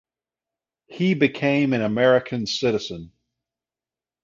He became an American citizen.